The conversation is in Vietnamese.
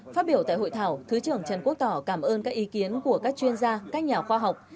phát biểu tại hội thảo thứ trưởng trần quốc tỏ cảm ơn các ý kiến của các chuyên gia các nhà khoa học